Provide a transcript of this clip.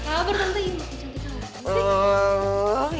aduh kamu kabar tante ini cantik banget sih